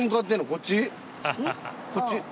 こっち？